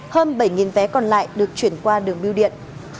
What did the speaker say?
hơn bảy vé còn lại được chuyển qua đường biêu điện